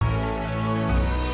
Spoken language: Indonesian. kamu bisa mencoba